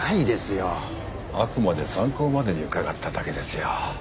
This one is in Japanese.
あくまで参考までに伺っただけですよ